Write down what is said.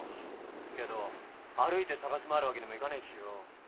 けど歩いて捜し回るわけにもいかねえしよ。